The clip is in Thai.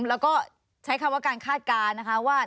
แล้วก็ใช้คำว่าการคาดการณ์นะคะว่า